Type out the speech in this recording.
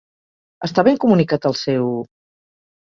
Està ben comunicat el seu...?